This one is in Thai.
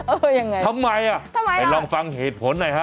เอออย่างไรทำไมล่ะไหนลองฟังเหตุผลในฮะ